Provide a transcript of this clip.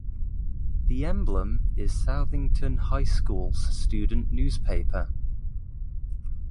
"The Emblem" is Southington High School's student newspaper.